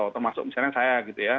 termasuk misalnya saya gitu ya